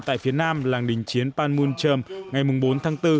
tại phía nam làng đình chiến panmunjom ngày bốn tháng bốn